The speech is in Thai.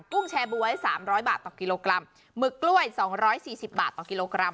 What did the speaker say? ุ้งแชร์บ๊วยสามร้อยบาทต่อกิโลกรัมหมึกกล้วยสองร้อยสี่สิบบาทต่อกิโลกรัม